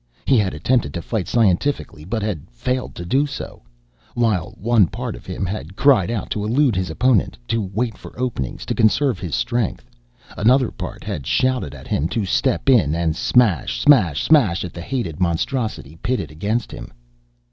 He had attempted to fight scientifically, but had failed to do so. While one part of him had cried out to elude his opponent, to wait for openings, to conserve his strength, another part had shouted at him to step in and smash, smash, smash at the hated monstrosity pitted against him.